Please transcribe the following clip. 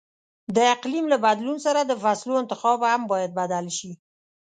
د اقلیم له بدلون سره د فصلو انتخاب هم باید بدل شي.